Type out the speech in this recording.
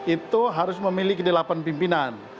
itu harus memiliki delapan pimpinan